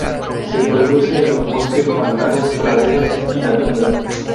Se produce en los bosques, pantanos, praderas y la tundra.